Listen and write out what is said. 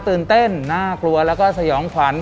ตื่นเต้นน่ากลัวแล้วก็สยองขวัญ